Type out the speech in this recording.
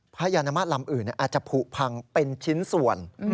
พญานาคลำอื่นอาจจะผูกพังเป็นชิ้นส่วน